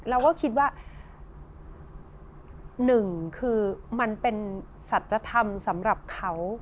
เราก็คิดว่าหนึ่งคือมันเป็นสัจธรรมสำหรับเขา